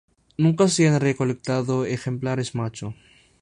Nunca se han recolectado ejemplares macho.